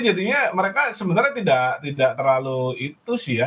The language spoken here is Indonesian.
jadi mereka sebenarnya tidak terlalu itu sih ya